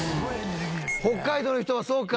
北海道の人はそうか。